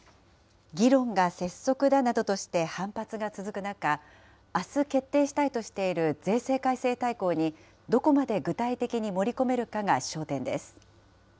議論が拙速だなどとして反発が続く中、あす決定したいとしている税制改正大綱に、どこまで具体的に盛り込めるかが焦点です。